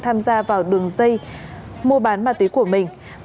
tham gia vào đường dây mua bán ma túy của mình